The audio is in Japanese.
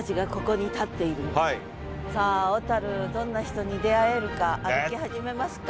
さあ小どんな人に出会えるか歩き始めますか？